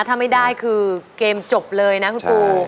ถ้าไม่ได้คือเกมจบเลยนะคุณปู